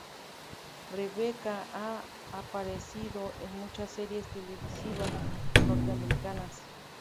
Rebecca ha aparecido en muchas series televisivas norteamericanas.